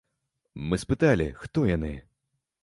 Мы спыталі, хто яны.